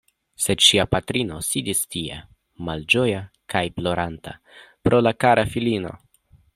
Sed ŝia patrino sidis tie malĝoja kaj ploranta pro la kara filino.